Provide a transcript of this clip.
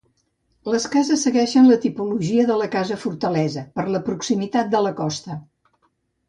Les cases segueixen la tipologia de la casa fortalesa, per la proximitat de la costa.